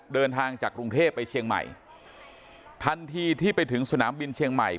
เดินทางจากกรุงเทพไปเชียงใหม่ทันทีที่ไปถึงสนามบินเชียงใหม่